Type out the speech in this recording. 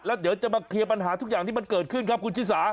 แล้วเดี๋ยวจะมาเคลียร์ปัญหาทุกอย่างที่มันเกิดขึ้นครับคุณชิสา